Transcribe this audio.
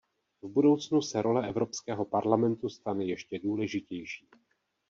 V budoucnu se role Evropského parlamentu stane ještě důležitější.